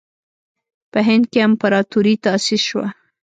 په هند کې امپراطوري تأسیس شوه.